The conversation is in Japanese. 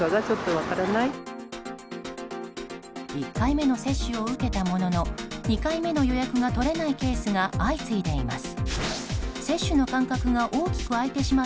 １回目の接種を受けたものの２回目の予約が取れないケースが相次いでいます。